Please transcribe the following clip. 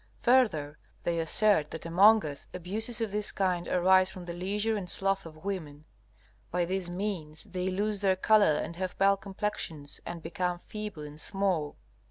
Further, they assert that among us abuses of this kind arise from the leisure and sloth of women. By these means they lose their color and have pale complexions, and become feeble and small.